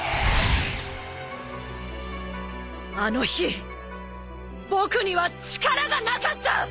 あの日僕には力がなかった！